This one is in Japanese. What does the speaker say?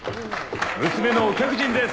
娘のお客人です。